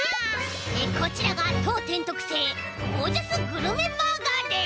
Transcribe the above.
こちらがとうてんとくせいゴージャスグルメバーガーです！